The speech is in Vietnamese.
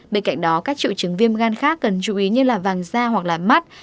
bên cạnh đó các triệu chứng viêm gan khác cần chú ý như là vàng da hoặc là mắt